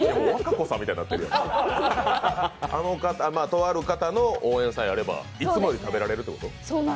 とある方の応援さえあればいつもより食べられるってこと？